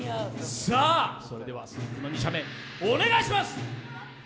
それでは鈴木君の２射目、お願いします。